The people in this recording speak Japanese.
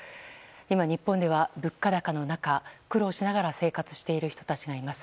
今、日本では物価高の中、苦労しながら生活をしている人たちがいます。